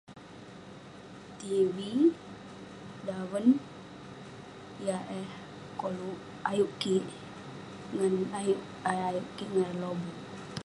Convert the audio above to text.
Tv, daven yah eh koluk ayuk kik. Ngan ayuk- ayuk ayuk kik ngan ireh lobuk.